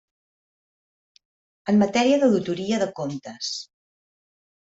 En matèria d'auditoria de comptes.